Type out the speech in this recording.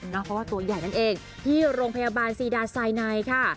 เพราะว่าตัวใหญ่นั่นเองที่โรงพยาบาลซีดาไซไนค่ะ